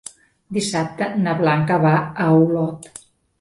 Dissabte na Blanca va a Olot.